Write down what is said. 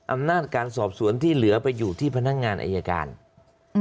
อำนาจการสอบสวนที่เหลือไปอยู่ที่พนักงานอายการอืม